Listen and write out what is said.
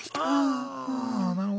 あなるほど。